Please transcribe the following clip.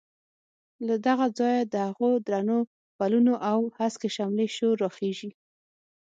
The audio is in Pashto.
له دغه ځایه د هغو درنو پلونو او هسکې شملې شور راخېژي.